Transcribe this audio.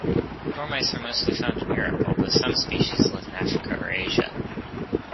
Dormice are mostly found in Europe, although some species live in Africa or Asia.